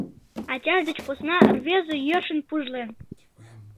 — Ачаж деч посна рвезе йӧршын пужлен.